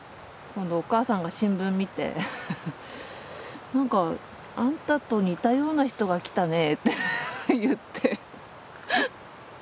お母さんが新聞見て「なんかあんたと似たような人が来たね」って言って。